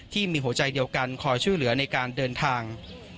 ที่มีหัวใจเดียวกันคอยช่วยเหลือในการเดินทาง